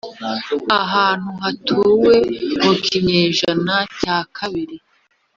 ahantu hatuwe mu kinyejana cya kabiri